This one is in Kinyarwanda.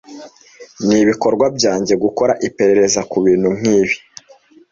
Nibikorwa byanjye gukora iperereza kubintu nkibi.